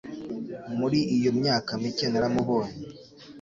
Muri iyo myaka mike naramubonye